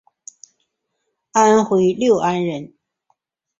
安徽六安人。